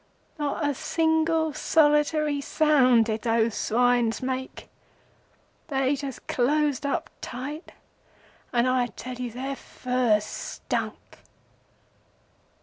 Not a single solitary sound did those swines make. They just closed up, tight, and I tell you their furs stunk.